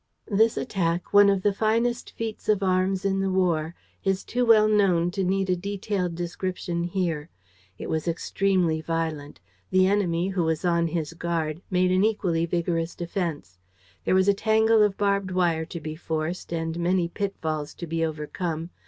This attack, one of the finest feats of arms in the war, is too well known to need a detailed description here. It was extremely violent. The enemy, who was on his guard, made an equally vigorous defense. There was a tangle of barbed wire to be forced and many pitfalls to be overcome.